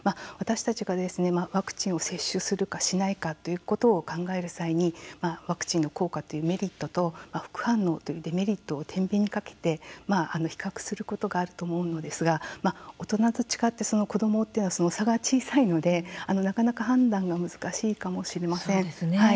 私たちがワクチンを接種するかしないかということを考える際にワクチンの効果というメリットと副反応というデメリットをてんびんにかけて比較することがあると思うのですが大人と違って子どもというのは差が小さいので、なかなか判断が難しいかもしれません。